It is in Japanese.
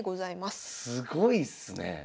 すごいっすねえ。